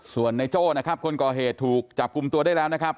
ส่วนในโจ้นะครับคนก่อเหตุถูกจับกลุ่มตัวได้แล้วนะครับ